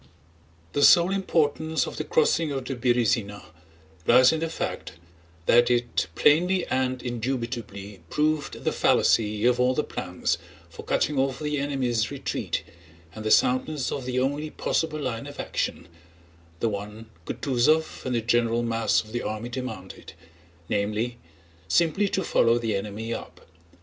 The sole importance of the crossing of the Berëzina lies in the fact that it plainly and indubitably proved the fallacy of all the plans for cutting off the enemy's retreat and the soundness of the only possible line of action—the one Kutúzov and the general mass of the army demanded—namely, simply to follow the enemy up.